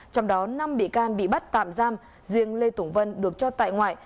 trong đó năm bị can bị bắt tạm giam riêng lê tùng vân được cho tại ngoại